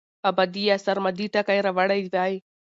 ابدي يا سرمدي ټکي راوړي وے